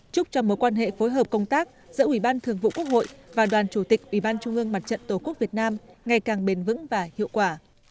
chúc cho mối quan hệ phối hợp công tác giữa ubnd và đoàn chủ tịch ubnd tổ quốc việt nam ngày càng bền vững và hiệu quả